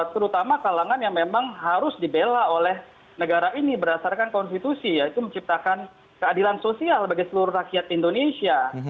terutama kalangan yang memang harus dibela oleh negara ini berdasarkan konstitusi yaitu menciptakan keadilan sosial bagi seluruh rakyat indonesia